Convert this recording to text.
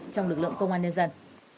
trong lực lượng công an nhân dân